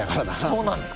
そうなんです